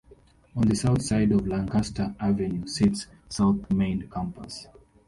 On the south side of Lancaster avenue sits south main campus.